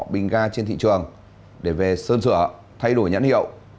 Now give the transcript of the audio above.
bình ga trên thị trường để về sơn sửa thay đổi nhãn hiệu